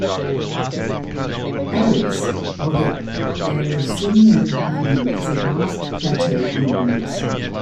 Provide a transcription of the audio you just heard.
Eryx, or the Erycinian Highland, is a vast plateau on Venus.